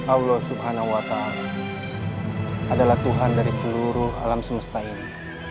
allah subhanahu wa ta'ala adalah tuhan dari seluruh alam semesta ini